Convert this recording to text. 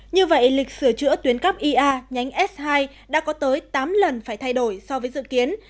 như vậy lịch sửa chữa tuyến cắp ia nhánh s hai đã có tới tám lần phải thay đổi so với dự kiến